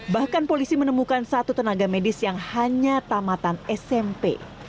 bahkan polisi menemukan satu tenaga medis yang hanya tamatan smp